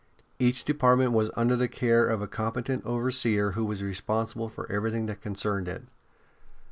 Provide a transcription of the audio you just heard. Each department was under the care of a competent overseer who was responsible for everything that concerned it.